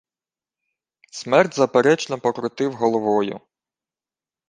Смерд заперечно покрутив головою.